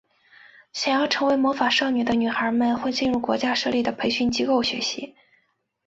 想要成为魔法少女的女孩们会进入国家设立的培训机构学习。